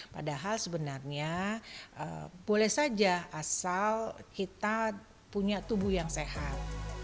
padahal sebenarnya boleh saja asal kita punya tubuh yang sehat